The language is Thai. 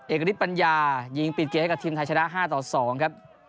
เอกริตปัญญายิงปิดเกรดให้กับทีมไทยชนะห้าต่อสองครับ